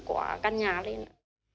của căn nhà lên ạ